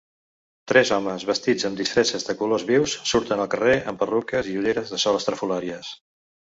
Tres homes vestits amb disfresses de colors vius surten al carrer amb perruques i ulleres de sol estrafolàries.